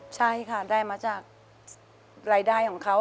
ใช่ค่ะได้มาจากรายได้ของเขา